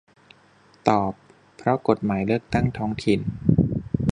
ตอบ เพราะกฎหมายเลือกตั้งท้องถิ่น